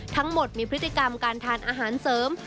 ทั้งหมดมีพฤติกรรมการทานอาหารเสริม